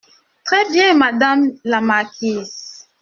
Très bien, madame la marquise.